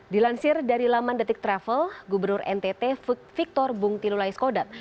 dilansir dari laman detik travel gubernur ntt victor bung tilulai skodat